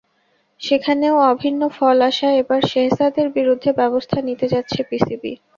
সেখানেও অভিন্ন ফল আসায় এবার শেহজাদের বিরুদ্ধে ব্যবস্থা নিতে যাচ্ছে পিসিবি।